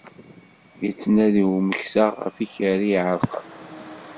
Yettnadi umeksa ɣef yikerri iεerqen.